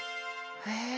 へえ。